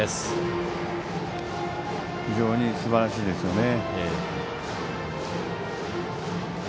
非常にすばらしいですよね。